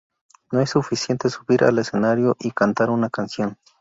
No es suficiente subir al escenario y cantar una canción.